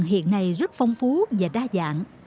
hiện nay rất phong phú và đa dạng